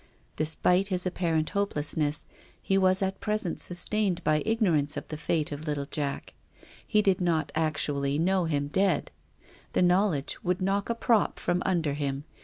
Despite his apparent hopelessness, he THE GRAVE. 57 was at present sustained by ignorance of the fate of little Jack. He did not actually know him dead. The knowledge would knock a prop from under him.